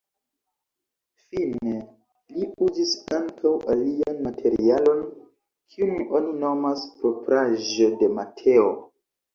Fine li uzis ankaŭ alian materialon, kiun oni nomas propraĵo de Mateo.